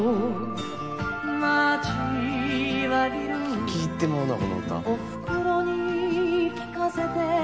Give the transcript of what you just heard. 聴き入ってまうなこの歌。